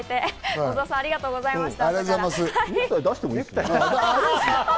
小澤さん、ありがとうございました。